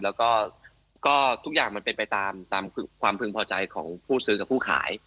แล้วก็ทุกอย่างมันเป็นไปตามความพึงพอใจของผู้ซื้อกับผู้ขาย